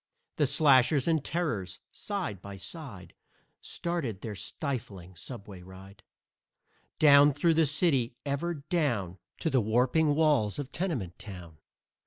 The Slashers and Terrors, side by side, Started their stifling subway ride Down through the city, ever down To the warping walls of Tenement Town.